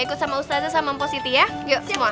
ikut sama ustazah sama mpositi ya